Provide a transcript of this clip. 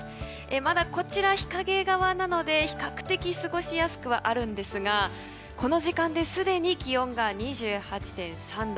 まだこちら、日陰側なので比較的過ごしやすくはありますがこの時間ですでに気温が２８．３度。